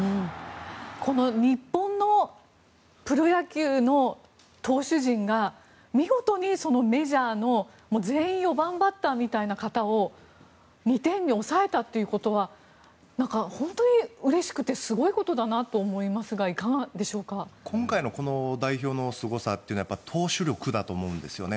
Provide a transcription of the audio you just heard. この日本のプロ野球の投手陣が見事にメジャーの全員４番バッターみたいな方を２点に抑えたということは本当にうれしくてすごいことだなと思いますが今回のこの代表のすごさは投手力だと思うんですよね。